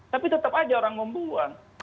tapi tetap aja orang membuang